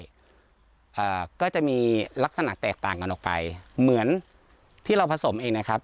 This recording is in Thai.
อ่าก็จะมีลักษณะแตกต่างกันออกไปเหมือนที่เราผสมเองนะครับ